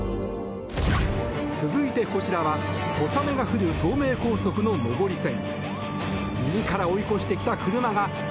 続いて、こちらは小雨が降る東名高速の上り線。